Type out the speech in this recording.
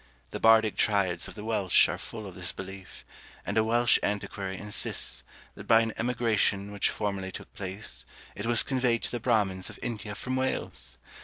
The bardic triads of the Welsh are full of this belief; and a Welsh antiquary insists, that by an emigration which formerly took place, it was conveyed to the Bramins of India from Wales!